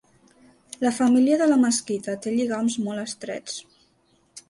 La família de la mesquita té lligams molt estrets.